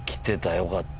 よかった。